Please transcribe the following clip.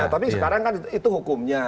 tapi sekarang kan itu hukumnya